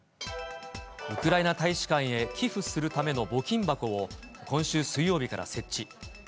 ウクライナ大使館へ寄付するための募金箱を、今週水曜日から設置。